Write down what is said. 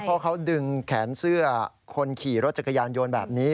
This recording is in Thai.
เพราะเขาดึงแขนเสื้อคนขี่รถจักรยานโยนแบบนี้